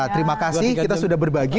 terima kasih kita sudah berbagi